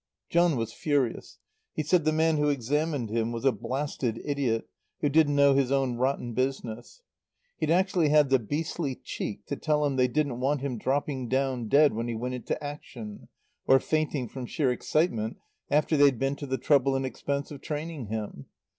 John was furious. He said the man who examined him was a blasted idiot who didn't know his own rotten business. He'd actually had the beastly cheek to tell him they didn't want him dropping down dead when he went into action, or fainting from sheer excitement after they'd been to the trouble and expense of training him.